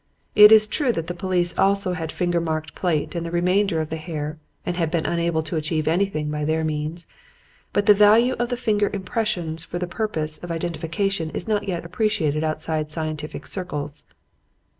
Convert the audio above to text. It is true that the police also had finger marked plate and the remainder of the hair and had been unable to achieve anything by their means; but the value of finger impressions for the purposes of identification is not yet appreciated outside scientific circles.